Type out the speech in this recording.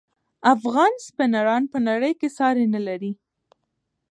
افغان سپینران په نړۍ کې ساری نلري.